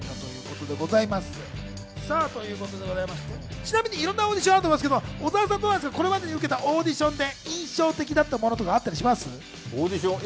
ちなみに、いろんなオーディションがあると思うんですが、小澤さん、これまでに受けたオーディションで印象的だったものとかありますか？